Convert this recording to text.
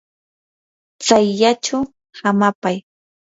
tsayllachaw hamapay.